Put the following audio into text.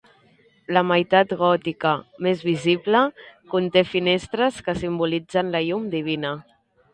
La meitat gòtica, més visible, conté finestres que simbolitzen la llum divina.